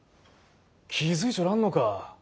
気付いちょらんのか。